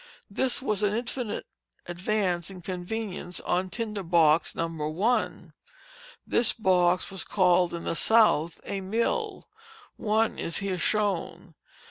This was an infinite advance in convenience on tinder box No. 1. This box was called in the South a mill; one is here shown.